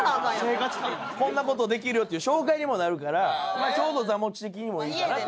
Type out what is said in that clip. ・生活感・こんなことできるよっていう紹介にもなるからまあちょうど座持ち的にもいいかなと。